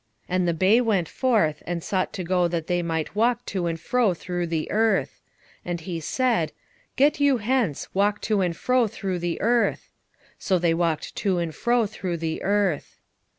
6:7 And the bay went forth, and sought to go that they might walk to and fro through the earth: and he said, Get you hence, walk to and fro through the earth. So they walked to and fro through the earth.